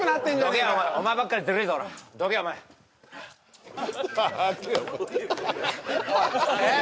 どけほらお前ばっかりズルいぞどけお前おいえっ？